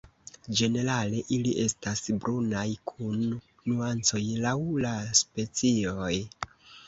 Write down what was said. Ĝenerale ili estas brunaj kun nuancoj laŭ la specioj.